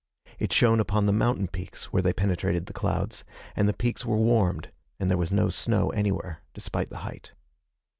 It shone upon the mountain peaks where they penetrated the clouds, and the peaks were warmed, and there was no snow anywhere despite the height.